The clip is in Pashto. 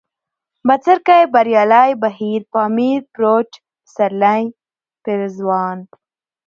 بڅرکى ، بريالی ، بهير ، پامير ، پروټ ، پسرلی ، پېزوان